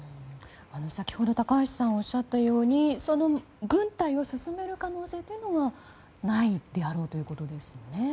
先ほど高橋さんがおっしゃったように軍隊を進める可能性はないであろうということですね。